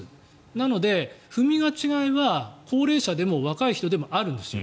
なので踏み間違いは高齢者でも若い人でもあるんですよ。